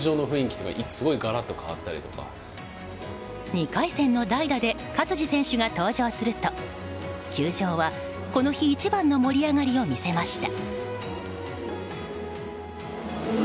２回戦の代打で勝児選手が登場すると球場はこの日一番の盛り上がりを見せました。